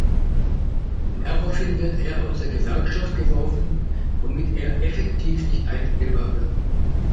Daraufhin wird er aus der Gewerkschaft geworfen, womit er effektiv nicht einstellbar wird.